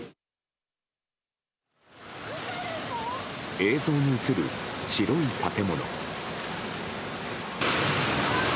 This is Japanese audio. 映像に映る白い建物。